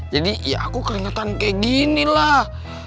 jadi ya aku keringetan kayak ginilah